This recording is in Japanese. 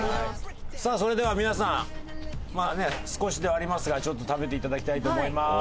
さあそれでは皆さん少しではありますがちょっと食べて頂きたいと思います。